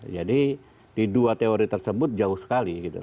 jadi di dua teori tersebut jauh sekali